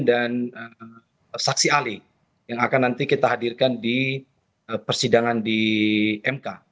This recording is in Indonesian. dan saksi alih yang akan nanti kita hadirkan di persidangan di mk